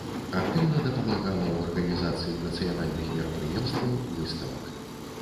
Актыўна дапамагала ў арганізацыі нацыянальных мерапрыемстваў, выставак.